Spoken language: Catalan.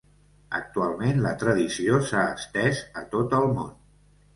Actualment la tradició s'ha estès a tot el món.